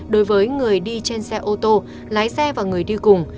đối với người đi trên xe ô tô lái xe và người đi cùng